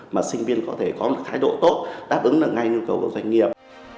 mà sinh viên có thể có thái độ tốt đáp ứng ngay nhu cầu của doanh nghiệp